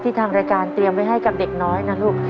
ทางรายการเตรียมไว้ให้กับเด็กน้อยนะลูก